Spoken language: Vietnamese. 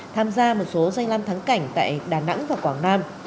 tham gia một số danh lam thắng cảnh tại đà nẵng và quảng nam